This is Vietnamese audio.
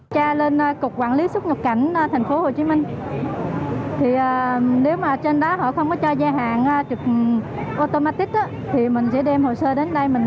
chia lên cục quản lý xuất nhập cảnh tp hcm thì nếu mà trên đó họ không cho giai hạn trực automatic thì mình sẽ đem về